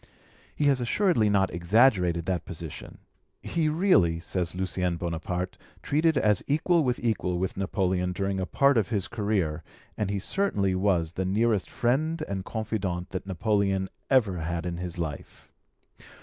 He has assuredly not exaggerated that position: he really, says Lucien Bonaparte, treated as equal with equal with Napoleon during a part of his career, and he certainly was the nearest friend and confidant that Napoleon ever had in his life.